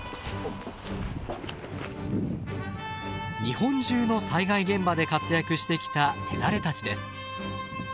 日本中の災害現場で活躍してきた手だれたちです。